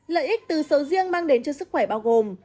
lợi ích từ sầu riêng mang đến cho sức khỏe bao gồm